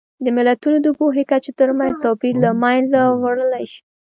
د ملتونو د پوهې کچې ترمنځ توپیر له منځه وړلی شي.